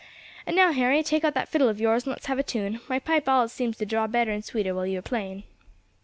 And now, Harry, take out that fiddle of yours and let's have a tune; my pipe allus seems to draw better and sweeter while you are playing."